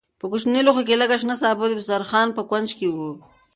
په کوچني لوښي کې لږ شنه سابه د دسترخوان په کونج کې وو.